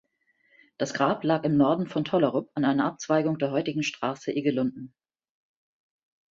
Das Grab lag im Norden von Tollerup an einer Abzweigung der heutigen Straße Egelunden.